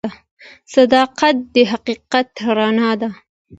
صداقت د حقیقت رڼا ده.